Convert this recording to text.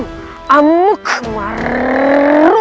ini mencari peran